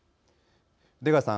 出川さん